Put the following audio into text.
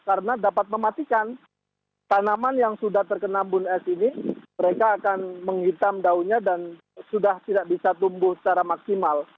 karena dapat mematikan tanaman yang sudah terkena embun es ini mereka akan menghitam daunnya dan sudah tidak bisa tumbuh secara maksimal